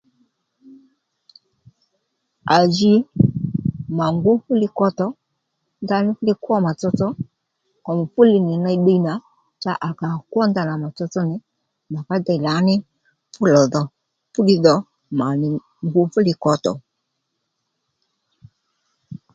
À ji mà ngú fú li kotò ndaní fú li kwó mà tsotso kum fú li nì ney ddiy nà cha à kà à kwó ndanà mà tsotso nì màká dey lǎní fúlò dho fú ddiy dhò mà nì ngu fúli kotò